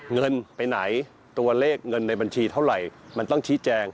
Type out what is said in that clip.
เงินไปไหนตัวเลขเงินในบัญชีเท่าไหร่มันต้องชี้แจง